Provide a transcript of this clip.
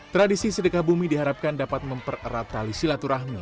tradisi sedekah bumi diharapkan dapat mempererat tali silaturahmi